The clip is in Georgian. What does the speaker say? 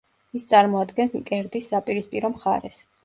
ის წარმოადგენს მკერდის საპირისპირო მხარეს.